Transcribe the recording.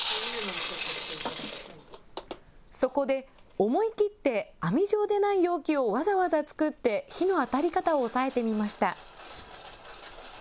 そこで、思い切って網状でない容器をわざわざ作って火の当たり方を抑えてみました。